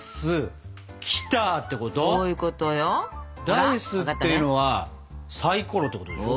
ダイスっていうのはサイコロってことでしょ？